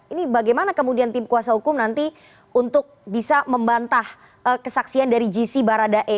ini bagaimana kemudian tim kuasa hukum nanti untuk bisa membantah kesaksian dari gc baradae